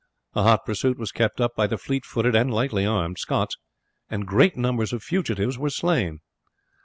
A hot pursuit was kept up by the fleet footed and lightly armed Scots, and great numbers of fugitives were slain.